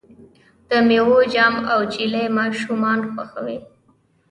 د میوو جام او جیلی ماشومان خوښوي.